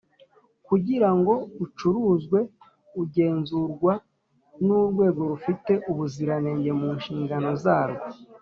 kugira ngo acuruzwe agenzurwa n Urwego rufite ubuziranenge munshingano zarwo